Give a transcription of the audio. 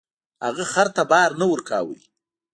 هغه خر ته بار نه ورکاوه.